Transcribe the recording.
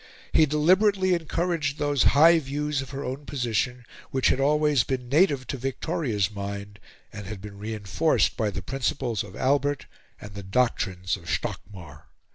He deliberately encouraged those high views of her own position which had always been native to Victoria's mind and had been reinforced by the principles of Albert and the doctrines of Stockmar.